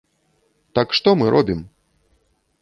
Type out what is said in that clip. Так што мы робім?